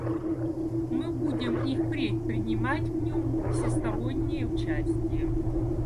Мы будем и впредь принимать в нем всестороннее участие.